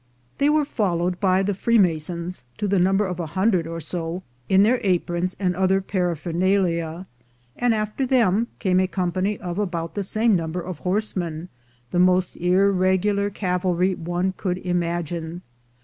They were followed by the freemasons, to the number of a hundred or so, in their aprons and other paraphernalia; and after them came a company of about the same number of horse men, the most irregular cavalry one could imagine.